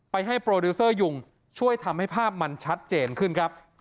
ให้โปรดิวเซอร์ยุงช่วยทำให้ภาพมันชัดเจนขึ้นครับ